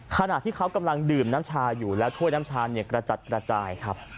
ขณะที่เขากำลังดื่มน้ำชาอยู่แล้วถ้วยน้ำชาเนี่ยกระจัดกระจายครับ